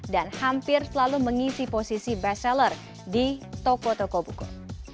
dan hampir selalu mengisi posisi best seller di toko toko buku